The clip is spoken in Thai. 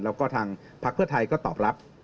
แล้วก็ทางพักเพื่อไทยก็ตอบรับ